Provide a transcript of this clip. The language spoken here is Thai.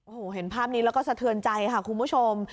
โอ้โหเห็นภาพนี้แล้วก็สะเทือนใจค่ะคุณผู้ชม